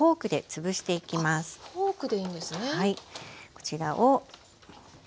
こちらを。